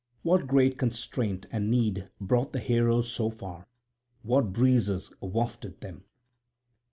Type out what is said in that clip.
What great constraint and need brought the heroes so far? What breezes wafted them?